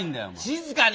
静かに！